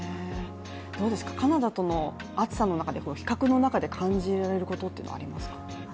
どうですか、カナダとの暑さのなかで比較の中で感じられることはありますか？